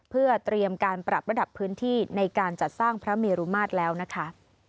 เพื่อเตรียมการปรับระดับพื้นที่ในการจัดสร้างพระเมรุมาตรแล้วนะคะ